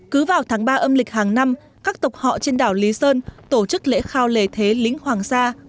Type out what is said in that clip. cứ vào tháng ba âm lịch hàng năm các tộc họ trên đảo lý sơn tổ chức lễ khao lề thế lính hoàng sa